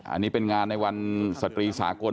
อันนี้เป็นงานในวันสตรีสากล